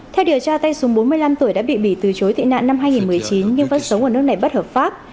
theo điều tra tay súng bốn mươi năm tuổi đã bị bỉ từ chối tị nạn năm hai nghìn một mươi chín nhưng vẫn sống ở nước này bất hợp pháp